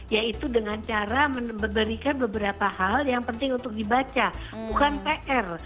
yaitu dengan cara memberikan beberapa hal yang penting untuk dibaca bukan pr